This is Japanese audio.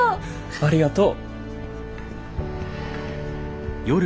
ありがとう！